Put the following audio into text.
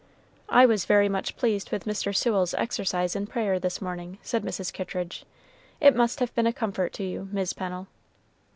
"I was very much pleased with Mr. Sewell's exercise in prayer this morning," said Mrs. Kittridge; "it must have been a comfort to you, Mis' Pennel."